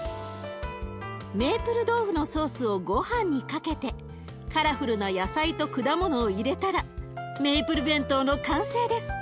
メイプル豆腐のソースをごはんにかけてカラフルな野菜と果物を入れたらメイプル弁当の完成です。